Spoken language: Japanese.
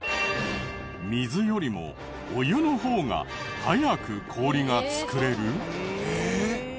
水よりもお湯の方が早く氷が作れる？